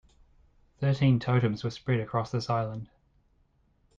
Thirteen totems were spread across this island.